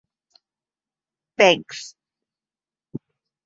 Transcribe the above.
Banks.